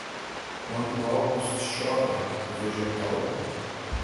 Quando August chora, o vegetal é bom.